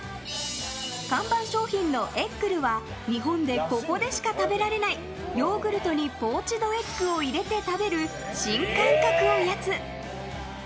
看板商品のエッグルは日本でここしか食べられないヨーグルトにポーチドエッグを入れて食べる新感覚おやつ。